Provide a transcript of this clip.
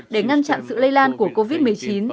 để ngăn chặn sự lây lan của covid một mươi chín